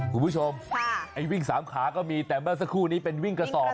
คุณผู้ชมไอ้วิ่งสามขาก็มีแต่เมื่อสักครู่นี้เป็นวิ่งกระสอบ